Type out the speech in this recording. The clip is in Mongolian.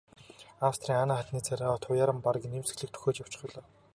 Австрийн Анна хатны царай туяаран бараг инээмсэглэх дөхөөд явчихав.